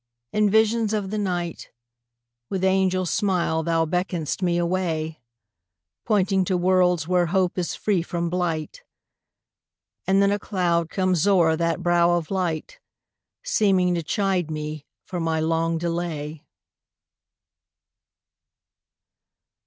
In visions of the night With angel smile thou beckon'st me away, Pointing to worlds where hope is free from blight; And then a cloud comes o'er that brow of light, Seeming to chide me for my long delay.